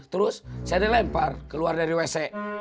terus saya dilempar keluar dari wc